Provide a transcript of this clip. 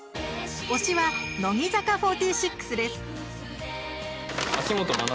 推しは乃木坂４６です。